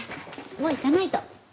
もう行かないと。